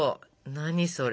何それ？